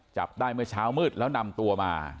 จับได้เมื่อเช้ามืดแล้วนำตัวมา